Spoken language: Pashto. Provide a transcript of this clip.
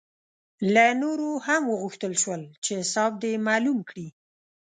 له نورو هم وغوښتل شول چې حساب دې معلوم کړي.